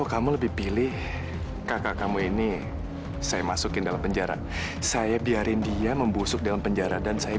sampai jumpa di video selanjutnya